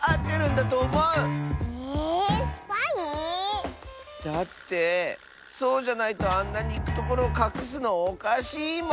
ええっスパイ⁉だってそうじゃないとあんなにいくところをかくすのおかしいもん！